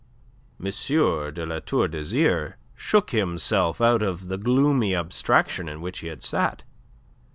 M. de La Tour d'Azyr shook himself out of the gloomy abstraction in which he had sat.